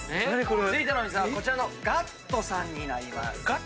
続いての店はこちらの「ｇａｔｔｏ」さんになります。